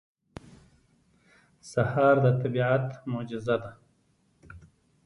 سهار د طبیعت معجزه ده.